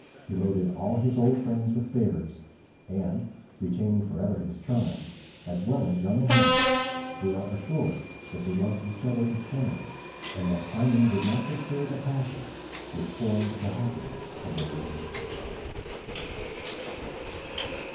He loaded all his old friends with favours; and, retaining for ever his charms, as well as Young and Handsome, we are assured that they loved each other eternally, and that Hymen would not disturb a passion which formed the happiness of their existence.